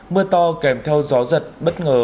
mưa to kèm theo gió giật bất ngờ